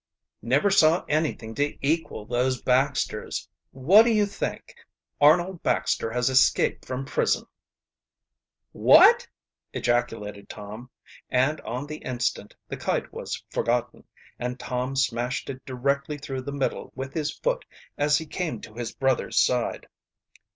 "Never saw anything to equal those Baxters. What do you think? Arnold Baxter has escaped from prison." "What!" ejaculated Tom, and on the instant the kite was forgotten, and Tom smashed it directly through the middle with his foot as he came to his brother's side.